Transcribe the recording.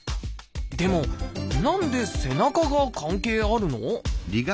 でも何で背中が関係あるの？